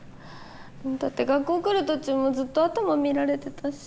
だって学校来る途中もずっと頭見られてたし。